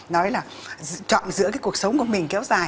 nói là chọn giữa cái cuộc sống của mình kéo dài